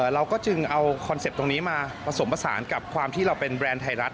เราก็จึงเอาคอนเซ็ปต์ตรงนี้มาผสมผสานกับความที่เราเป็นแบรนด์ไทยรัฐ